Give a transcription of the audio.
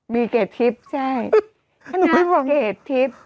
มีเกรดทริปใช่คณะเกรดทริป